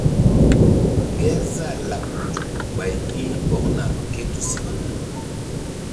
Ŋgerzah laɓ nzuk ɓay hi̧ ɔkna ké tusiɓa.